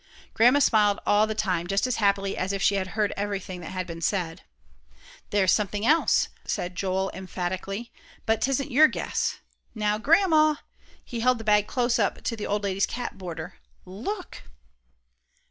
Grandma smiled all the time, just as happily as if she had heard everything that had been said. "There's something else," said Joel, emphatically, "but 'tisn't your guess. Now, Grandma," he held the bag close up to the old lady's cap border, "look!"